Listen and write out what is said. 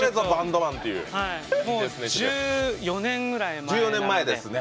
１４年ぐらい前ですね。